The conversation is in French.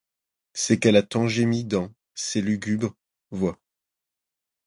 C'est qu'elle a tant gémi dans, ces lugubres. voies